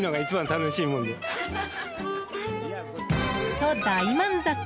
と、大満足。